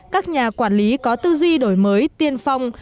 các nhà quản lý có tư duy đổi mới tiên phong